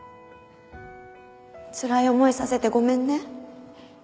つらい思いさせてごめんね。